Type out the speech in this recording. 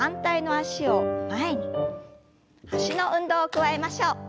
脚の運動を加えましょう。